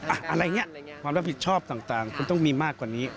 อะไรอย่างนี้ความรับผิดชอบต่างคุณต้องมีมากกว่านี้